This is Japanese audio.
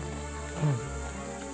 うん。